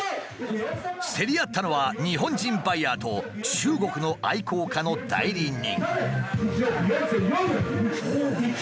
競り合ったのは日本人バイヤーと中国の愛好家の代理人。